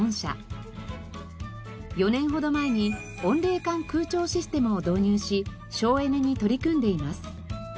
４年ほど前に温冷感空調システムを導入し省エネに取り組んでいます。